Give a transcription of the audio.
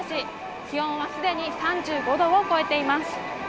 気温はすでに３５度を超えています。